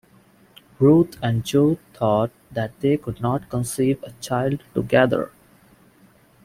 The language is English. Ruth and Joe thought that they could not conceive a child together.